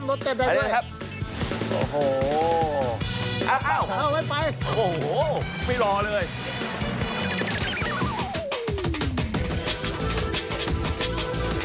โอ้โฮไม่รอเลย